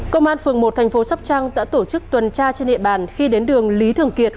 công an phường một thành phố sóc trăng đã tổ chức tuần tra trên địa bàn khi đến đường lý thường kiệt